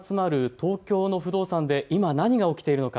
東京の不動産で今、何が起きているのか。